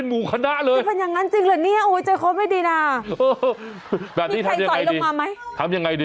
แม่แหละมาก